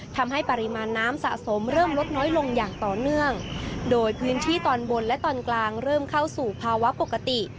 ทำให้ปริมาณน้ำสะสมเริ่มลดน้อยลงอย่างต่อเนื่องโดยพื้นที่ตอนบนและตอนกลางเริ่มเข้าสู่ภาวะปกติ